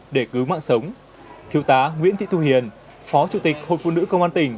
để cứu mạng sống thiếu tá nguyễn thị thu hiền phó chủ tịch hội phụ nữ công an tỉnh